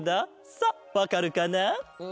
さあわかるかな？